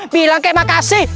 bilang ke makasih